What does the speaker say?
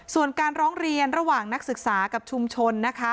ส่วนการร้องเรียนระหว่างนักศึกษากับชุมชนนะคะ